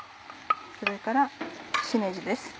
それからしめじです。